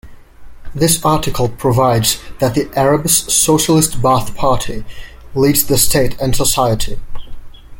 This article provides that "the Arab Socialist Ba'th Party leads the state and society".